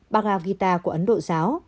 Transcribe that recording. bà là guitar của ấn độ giáo